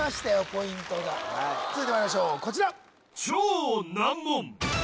ポイントが続いてまいりましょうこちら